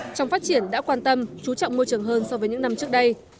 trong phát triển đã quan tâm chú trọng môi trường hơn so với những năm trước đây